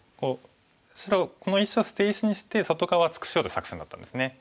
白この石を捨て石にして外側厚くしようとする作戦だったんですね。